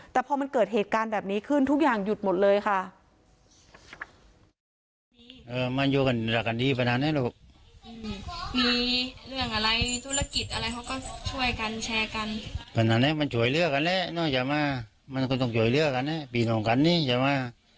แต่พอมันเกิดเหตุการณ์แบบนี้ขึ้นทุกอย่างหยุดหมดเลยค่ะ